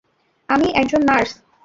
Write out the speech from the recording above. আমি একজন নার্স।